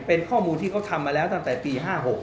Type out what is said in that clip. เป็นข้อมูลที่เขาทำมาแล้วตั้งแต่ปี๕๖